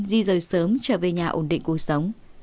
di rời sớm trở về nhà ổn định cuộc sống